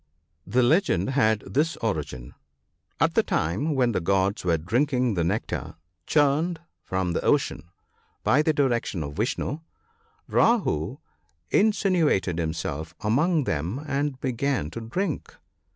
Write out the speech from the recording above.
The legend had this origin. At the time when the gods were drinking the nectar, churned from the ocean by the direction of Vishnu, Rahoo insinuated himself among them, and began to drink.